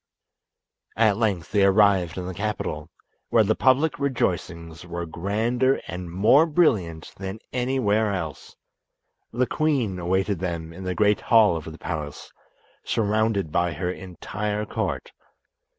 At length they arrived in the capital, where the public rejoicings were grander and more brilliant than anywhere else. The queen awaited them in the great hall of the palace, surrounded by her entire court.